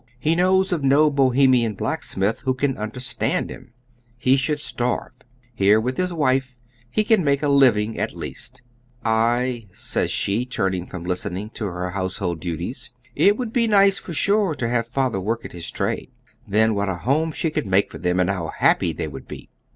lie knows of no Bohemian blacksmith who can understand him; lie should starve. Here, with hia wife, he can niako a living at least. " Aye," says she, turn ing, from listening, to her household duties, " it would be nice for sure to have father work at Jiis trade." Then what a home she could make for them, and how happy they would be.